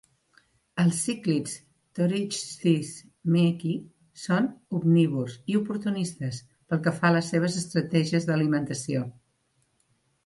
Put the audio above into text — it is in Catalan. Els cíclids Thorichthys meeki són omnívors i oportunistes pel que fa a les seves estratègies d'alimentació.